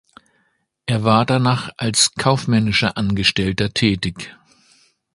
Er war danach als kaufmännischer Angestellter tätig.